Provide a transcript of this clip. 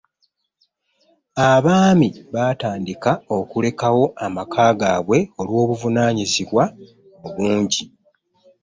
abaami baatandika okulekawo amaka gaabwe olwobuvunaanyizibwa obungi.